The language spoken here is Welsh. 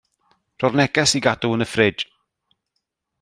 Rho'r neges i gadw yn y ffridj.